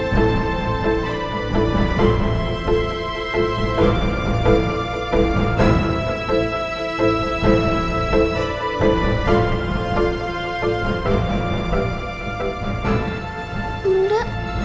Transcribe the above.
sampai jumpa di video selanjutnya